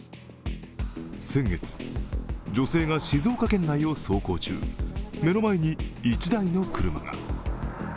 先月、女性が静岡県内を走行中、目の前に１台の車が。